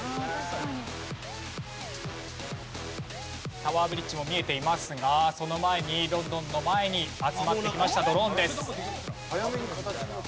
タワーブリッジも見えていますがその前にロンドンの前に集まってきましたドローンです。